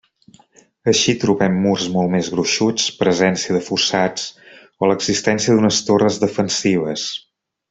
Així trobem murs molt més gruixuts, presència de fossats o l'existència d’unes torres defensives.